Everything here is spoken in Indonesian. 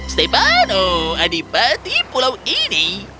stefano adik batu pulau ini